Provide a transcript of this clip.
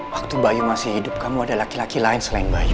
waktu bayu masih hidup kamu ada laki laki lain selain bayu